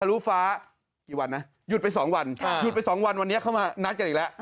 ฮารุฟ้าหยุดไป๒วันวันนี้เขามันนัดกันอีกแล้ว